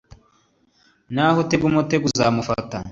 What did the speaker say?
naho utega umutego uzamufata